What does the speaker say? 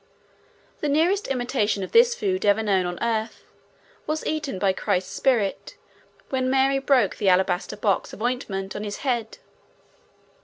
The nearest imitation of this food ever known on earth was eaten by Christ's spirit when Mary broke the alabaster box of ointment on his head.